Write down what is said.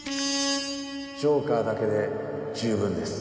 ジョーカーだけで十分です。